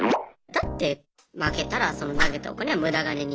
だって負けたらその投げたお金は無駄金になってしまう